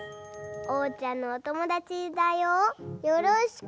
おうちゃんのおともだちだよよろしくね。